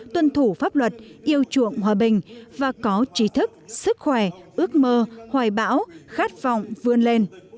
tuân thủ pháp luật yêu chuộng hòa bình và có trí thức sức khỏe ước mơ hoài bão khát vọng vươn lên